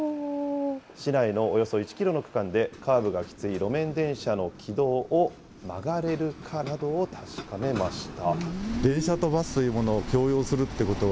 市内のおよそ１キロの区間で、カーブがきつい路面電車の軌道を曲がれるかなどを確かめました。